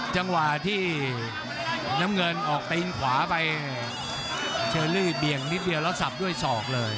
จังหวะที่น้ำเงินออกตีนขวาไปเชอรี่เบี่ยงนิดเดียวแล้วสับด้วยศอกเลย